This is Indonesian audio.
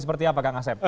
seperti apa kang asep